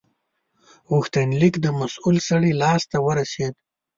غوښتنلیک د مسول سړي لاس ته ورسید.